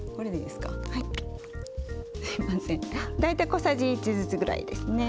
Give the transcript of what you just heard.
すいません大体小さじ１ずつぐらいですね。